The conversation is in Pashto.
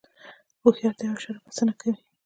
هوښیار ته یوه اشاره بسنه کوي.